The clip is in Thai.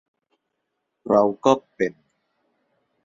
เราก็ 'เป็น'